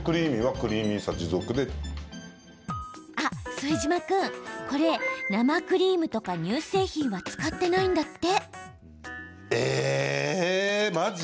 副島君、これ生クリームとか乳製品は使ってないんだって。